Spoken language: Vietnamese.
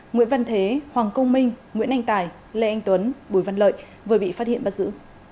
nguyễn văn thế hoàng công minh nguyễn anh tài lê anh tuấn bùi văn lợi vừa bị phát hiện bắt giữ